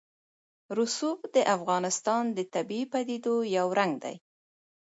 رسوب د افغانستان د طبیعي پدیدو یو رنګ دی.